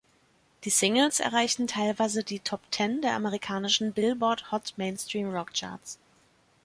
Die Singles erreichten teilweise die Top Ten der amerikanischen Billboard Hot Mainstream Rock Charts.